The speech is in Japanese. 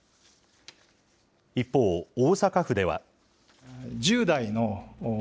一方、大阪府では。